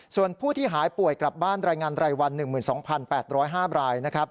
ส่วนผู้ที่หายป่วยกลับบ้านรายงานรายวัน๑๒๘๐๕รายนะครับ